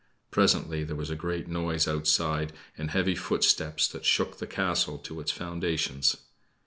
Presently there was a great noise outside and heavy footsteps that shook the castle to its foundations.